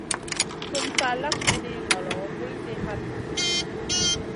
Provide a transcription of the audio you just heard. Sumun sa lak wiɗi ŋolo, vulzi hatna.